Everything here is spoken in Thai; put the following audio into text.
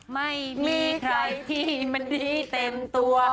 ไม่มีใครที่มันดีเต็มตัว